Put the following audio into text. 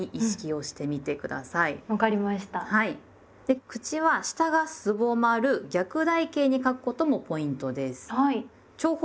で口は下がすぼまる逆台形に書くこともポイントです。